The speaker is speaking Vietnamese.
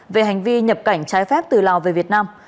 về hành vi nhập cảnh trái phép từ lào về việt nam